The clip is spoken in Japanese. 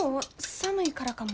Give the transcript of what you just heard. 寒いからかも。